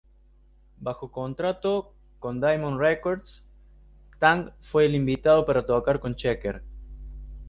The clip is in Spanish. Bajo contrato con "Diamond Records", Tang fue el invitado para tocar con Checker.